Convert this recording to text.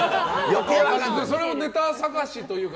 それもネタ探しというか